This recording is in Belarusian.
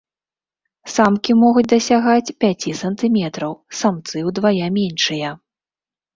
Самкі могуць дасягаць пяці сантыметраў, самцы ўдвая меншыя.